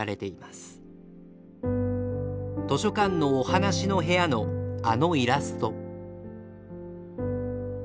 図書館のおはなしのへやのあのイラスト。